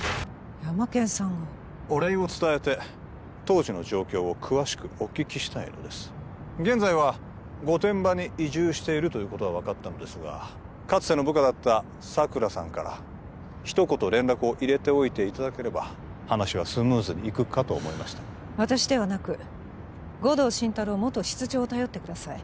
ヤマケンさんがお礼を伝えて当時の状況を詳しくお聞きしたいのです現在は御殿場に移住しているということは分かったのですがかつての部下だった佐久良さんから一言連絡を入れておいていただければ話はスムーズにいくかと思いまして私ではなく護道心太朗元室長を頼ってください